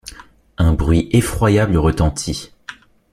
Un bruit effroyable retentit